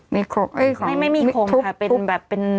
ไม่มีโครงค่ะ